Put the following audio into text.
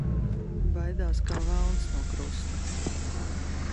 Baidās kā velns no krusta.